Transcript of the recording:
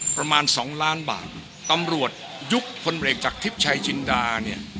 ประมาณ๒ล้านบาทตำรวจยุคคนเหล็กจากทิศชายชินดา